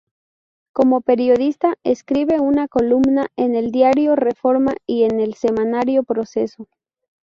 Como periodista, escribe una columna en el diario "Reforma" y en el "Semanario Proceso".